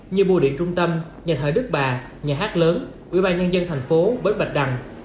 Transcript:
như bùa điện trung tâm nhà thợ đức bà nhà hát lớn quỹ ba nhân dân thành phố bến bạch đăng